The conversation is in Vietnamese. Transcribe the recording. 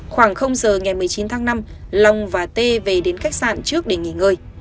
khoảng giờ ngày một mươi chín tháng năm long và t về đến khách sạn trước để nghỉ ngơi